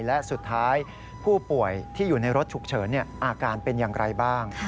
และสุดท้ายผู้ป่วยที่อยู่ในรถฉุกเฉินอาการเป็นอย่างไรบ้าง